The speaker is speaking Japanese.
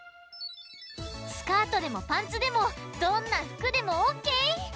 スカートでもパンツでもどんなふくでもオッケー！